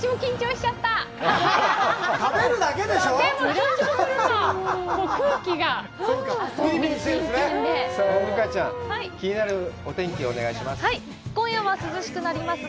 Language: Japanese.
留伽ちゃん、気になるお天気、お願いします。